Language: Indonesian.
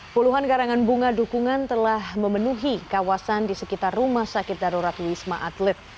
puluhan garangan bunga dukungan telah memenuhi kawasan di sekitar rumah sakit darurat wisma atlet